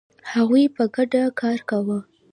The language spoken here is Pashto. هغوی په ګډه کار کاوه.